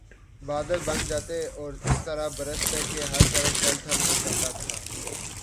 بادل بن جاتے اور اس طرح برستے کہ ہر طرف جل تھل ہو جاتا تھا